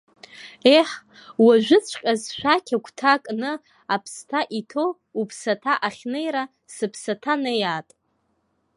Еҳ, уажәыҵәҟьа зшәақь агәҭа кны аԥсҭа иҭоу уԥсаҭа ахьнеира, сыԥсаҭа неиааит.